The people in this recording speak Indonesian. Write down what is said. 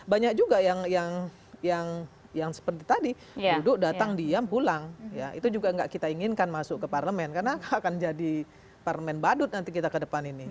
banyak juga yang seperti tadi duduk datang diam pulang ya itu juga nggak kita inginkan masuk ke parlemen karena akan jadi parlemen badut nanti kita ke depan ini